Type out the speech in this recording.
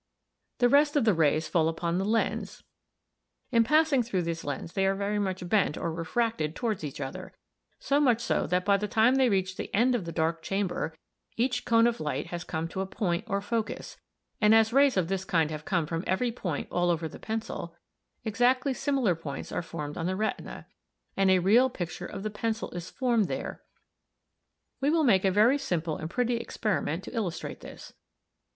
The rest of the rays fall upon the lens l. In passing through this lens they are very much bent (or refracted) towards each other, so much so that by the time they reach the end of the dark chamber v, each cone of light has come to a point or focus 1´, 2´, and as rays of this kind have come from every point all over the pencil, exactly similar points are formed on the retina, and a real picture of the pencil is formed there between 1´ and 2´." [Illustration: Fig. 12. Image of a candle flame thrown on paper by a lens.] "We will make a very simple and pretty experiment to illustrate this.